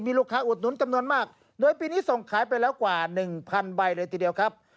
มีลูกค้าอุดหนุนจำนวนมากโดยปีนี้ส่งขายไปแล้วกว่าหนึ่งพันใบเลยทีเดียวครับ